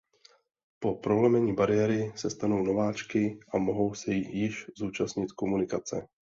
Po prolomení bariéry se stanou nováčky a mohou se již účastnit komunikace.